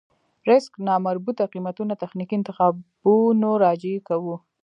ريسک نامربوطه قېمتونه تخنيکي انتخابونو راجع کوو.